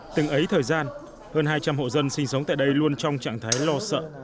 từng ấy thời gian hơn hai trăm linh hộ dân sinh sống tại đây luôn trong trạng thái lo sợ